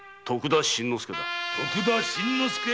徳田新之助？